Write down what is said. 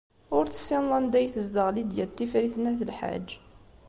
Ur tessineḍ anda ay tezdeɣ Lidya n Tifrit n At Lḥaǧ.